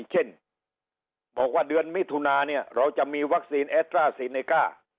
เช่นบอกว่าเดือนมิถุนาเนี่ยเราจะมีวัคซีนแอสตราซีเนก้า